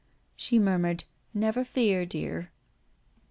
She murmured: "Never fear, dear."